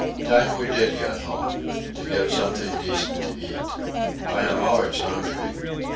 "Time we did get home... to get something decent to eat... I am always hungry."